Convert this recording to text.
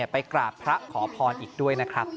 ไปกราบพระขอพรอีกด้วยนะครับ